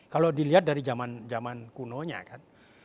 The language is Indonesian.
kalau dilihat dari zaman kunonya kan